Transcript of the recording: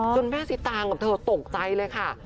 แม่สิตางกับเธอตกใจเลยค่ะ